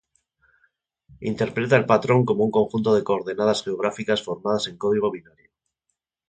Interpreta el patrón como un conjunto de coordenadas geográficas formadas en código binario.